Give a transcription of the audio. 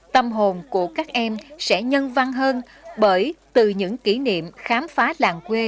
tâm hồn của các em sẽ nhân văn hơn bởi từ những kỷ niệm khám phá làng quê